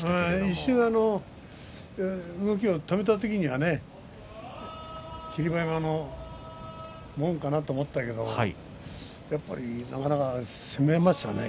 一瞬動きを止めた時にはね霧馬山のもんかなと思ったけどやっぱりなかなか攻めましたね